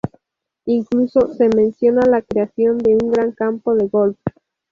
Incluso se menciona la creación de un gran campo de golf.